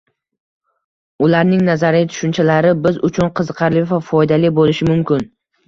ularning nazariy tushunchalari biz uchun qiziqarli va foydali bo‘lishi mumkin.